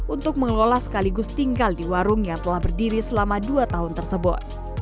untuk mengelola sekaligus tinggal di warung yang telah berdiri selama dua tahun tersebut